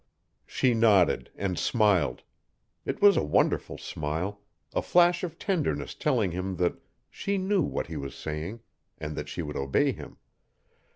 She nodded, and smiled. It was a wonderful smile a flash of tenderness telling him that she knew what he was saying, and that she would obey him.